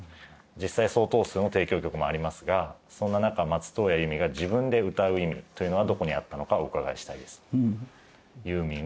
実際相当数の提供曲もありますがそんな中「松任谷由実」が自分で歌う意味というのはどこにあったのかをお伺いしたいです。